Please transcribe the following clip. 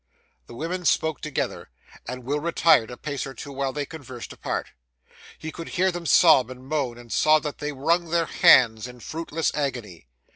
The women spoke together, and Will retired a pace or two while they conversed apart. He could hear them sob and moan, and saw that they wrung their hands in fruitless agony.